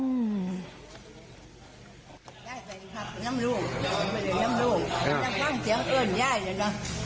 ใครเป็นคนเรียกใครเรียก